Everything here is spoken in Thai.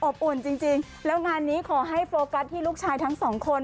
อุ่นจริงแล้วงานนี้ขอให้โฟกัสที่ลูกชายทั้งสองคน